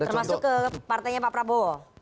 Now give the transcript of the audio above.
termasuk ke partainya pak prabowo